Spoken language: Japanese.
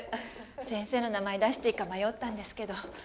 先生の名前出していいか迷ったんですけど心細くて。